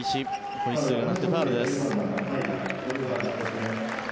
ホイッスルが鳴ってファウルです。